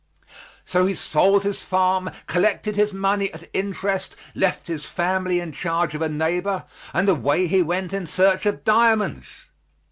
So he sold his farm, collected his money at interest, left his family in charge of a neighbor, and away he went in search of diamonds.